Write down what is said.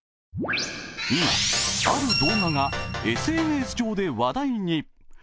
今、ある動画がＳＮＳ上で話題に。